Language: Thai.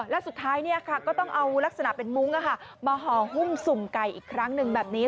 แล้วสุดท้ายก็ต้องเอาลักษณะเป็นมุ้งมาห่อหุ้มสุ่มไก่อีกครั้งหนึ่งแบบนี้